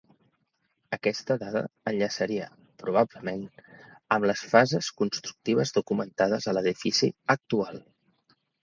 Aquesta dada enllaçaria, probablement, amb les fases constructives documentades a l'edifici actual.